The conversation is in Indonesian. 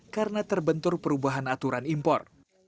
karena terbentur perubahan aturan impor